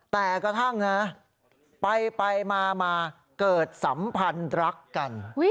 แต่กระทั่งนะไปมาเกิดสัมพันธ์รักกัน